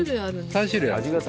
３種類？